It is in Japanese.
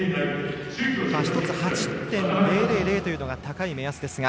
１つ、８．０００というのが高い目安ですが。